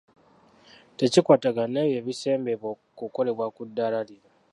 Tekikwatagana n’ebyo ebisembebwa kukolebwa ku ddaala lino.